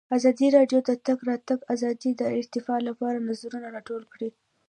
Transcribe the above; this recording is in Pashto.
ازادي راډیو د د تګ راتګ ازادي د ارتقا لپاره نظرونه راټول کړي.